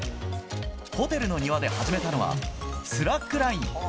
ホテルの庭で始めたのは、スラックライン。